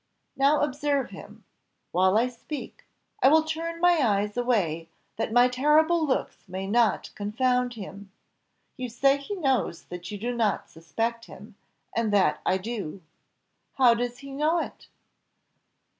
Now observe him, while I speak; I will turn my eyes away, that my terrible looks may not confound him. You say he knows that you do not suspect him, and that I do. How does he know it?"